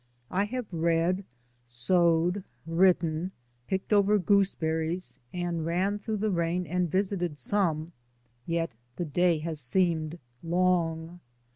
I have read, sewed, written, picked over gooseberries and ran through the rain and visited some, yet the day has seemed long.